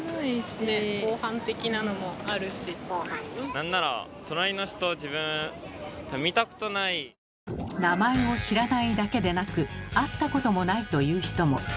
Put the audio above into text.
なんなら名前を知らないだけでなく会ったこともないという人も。